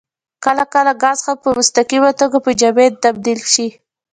کله کله ګاز هم په مستقیمه توګه په جامد تبدیل شي.